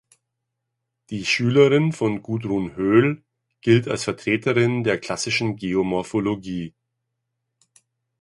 Die Schülerin von Gudrun Höhl gilt als Vertreterin der klassischen Geomorphologie.